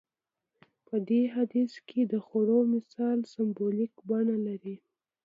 په دې حديث کې د خوړو مثال سمبوليکه بڼه لري.